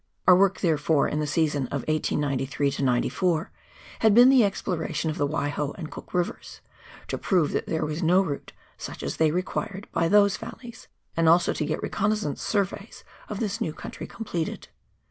Our work, therefore, in the season of 1893 94, had been the exploration of the Waiho and Cook Rivers, to prove that there was no route such as they required, by those valleys, and also to get Reconnaissance Surveys of this new country completed.